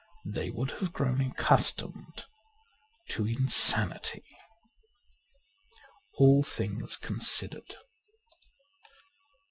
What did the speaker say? They would have grown accustomed to insanity. ' All Things Considered.